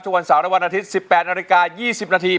วันเสาร์และวันอาทิตย์๑๘นาฬิกา๒๐นาที